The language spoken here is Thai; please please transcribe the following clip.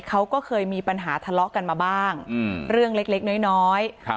เขาก็เคยมีปัญหาทะเลาะกันมาบ้างเรื่องเล็กเล็กน้อยน้อย